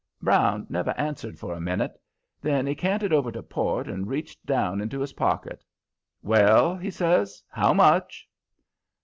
Brown never answered for a minute. Then he canted over to port and reached down into his pocket. "Well," says he, "how much?"